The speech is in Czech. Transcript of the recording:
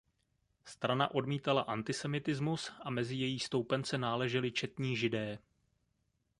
Strana odmítala antisemitismus a mezi její stoupence náleželi četní židé.